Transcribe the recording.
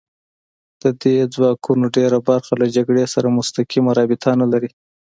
د دې ځواکونو ډېره برخه له جګړې سره مستقیمه رابطه نه لري